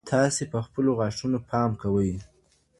تاسي په خپلو غاښونو پام کوئ.